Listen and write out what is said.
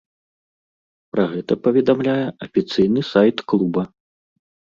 Пра гэта паведамляе афіцыйны сайт клуба.